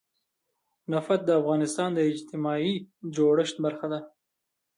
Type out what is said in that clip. نفت د افغانستان د اجتماعي جوړښت برخه ده.